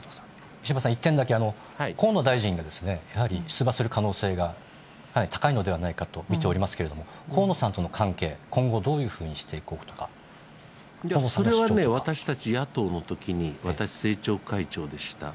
石破さん、一点だけ、河野大臣がですね、やはり出馬する可能性が高いのではないかと見ておりますけれども、河野さんとの関係、今後、どういそれはね、私たち野党のときに、私、政調会長でした。